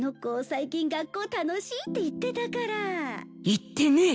言ってねえ！